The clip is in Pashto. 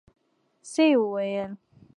څه يې وويل.